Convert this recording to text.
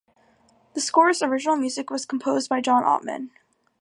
The score's original music was composed by John Ottman.